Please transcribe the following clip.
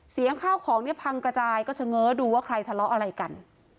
ข้าวของเนี่ยพังกระจายก็เฉง้อดูว่าใครทะเลาะอะไรกัน